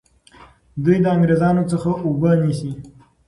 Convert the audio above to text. دوی د انګریزانو څخه اوبه نیسي.